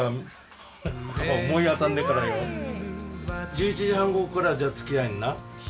１１時半ごろからじゃあつきあえるな？